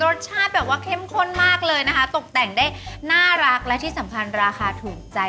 รสชาติแบบว่าเข้มข้นมากเลยนะคะตกแต่งได้น่ารักและที่สำคัญราคาถูกใจ